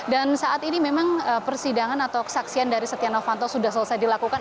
dan saat ini memang persidangan atau kesaksian dari setia novanto sudah selesai dilakukan